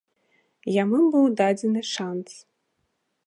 Яму быў дадзены шанц.